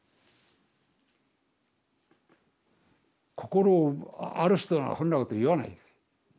心ある人ならそんなこと言わないです。